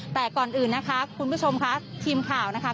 แต่ก่อนอื่นนะคะคุณผู้ชมค่ะทีมข่าวนะคะ